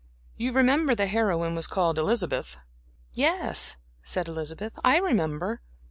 "You remember the heroine was called Elizabeth." "Yes," said Elizabeth, "I remember."